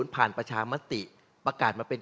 ประชามติประกาศมาเป็น